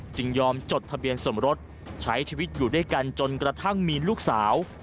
ยอมจดทะเบียนสมรสใช้ชีวิตอยู่ด้วยกันจนกระทั่งมีลูกสาว